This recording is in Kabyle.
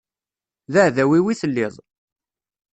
D aɛdaw-iw i telliḍ.